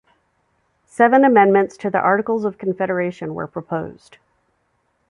Seven amendments to the Articles of Confederation were proposed.